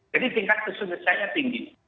jadi tingkat kesulitanya tinggi